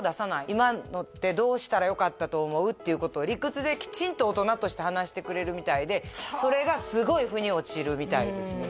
今のってどうしたらよかったと思う？っていうことを理屈できちんと大人として話してくれるみたいでそれがすごい腑に落ちるみたいですね